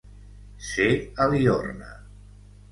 Ser a Liorna.